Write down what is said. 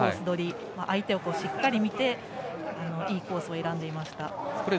取り相手をしっかり見ていいコースを選んでいました。